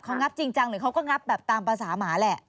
เขางับจริงจังหรือเขาก็งับแบบตามภาษาหมาแหละ